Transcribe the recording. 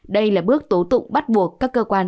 đây là bước tố tụng bắt buộc các cơ quan